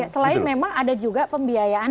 selain memang ada juga pembiayaan